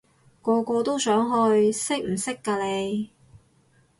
個個都想去，識唔識㗎你？